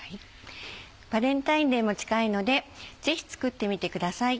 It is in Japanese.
バレンタインデーも近いのでぜひ作ってみてください。